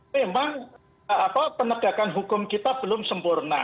memang penegakan hukum kita belum sempurna